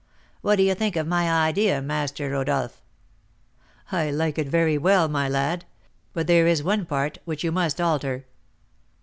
What do you think of my idea, Master Rodolph?" "I like it very well, my lad; but there is one part which you must alter."